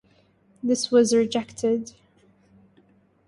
This was rejected.